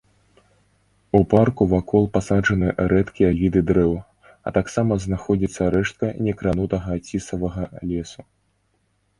У парку вакол пасаджаны рэдкія віды дрэў а таксама знаходзіцца рэштка некранутага цісавага лесу.